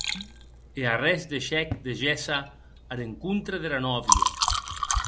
E arrés deishèc de gésser ar encontre dera nòvia.